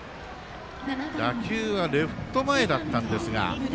打球はレフト前だったんですが。